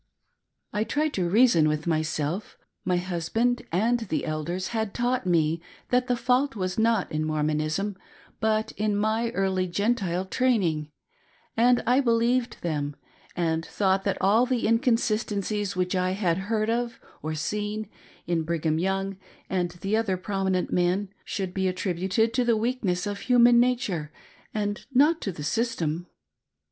I tried to reason with myself. My husband and the Elders had taught me that the fault was not in Mormonism but in my early Gentile training; and I believed them, and thought that all the inconsistencies which I had heard of, or seen, in Brig ham Young and the other prominent men, should be attributed to the weakness of human nature ; and not to the system.